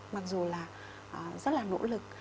mặc dù là rất là nỗ lực